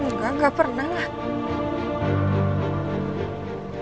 enggak gak pernah